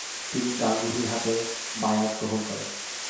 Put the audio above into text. তিনি গাঙ্গুহির হাতে বায়আত গ্রহণ করেন।